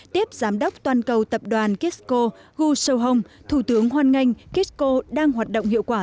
tiếp giám đốc toàn cầu tập đoàn kisco gu shouhong thủ tướng hoàn ngành kisco đang hoạt động hiệu quả